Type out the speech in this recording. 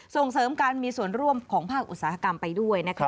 ส่งเสริมการมีส่วนร่วมของภาคอุตสาหกรรมไปด้วยนะครับ